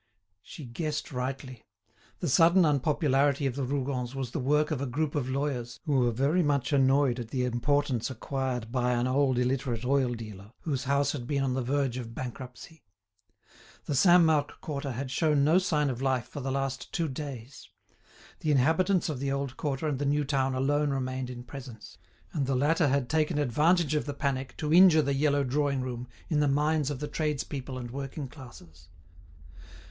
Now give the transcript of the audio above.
She guessed rightly. The sudden unpopularity of the Rougons was the work of a group of lawyers who were very much annoyed at the importance acquired by an old illiterate oil dealer, whose house had been on the verge of bankruptcy. The Saint Marc quarter had shown no sign of life for the last two days. The inhabitants of the old quarter and the new town alone remained in presence, and the latter had taken advantage of the panic to injure the yellow drawing room in the minds of the tradespeople and working classes.